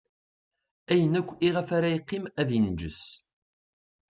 Ayen akk iɣef ara yeqqim ad inǧes.